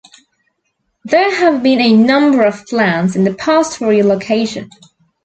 There have been a number of plans in the past for relocation.